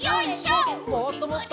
もっともっと！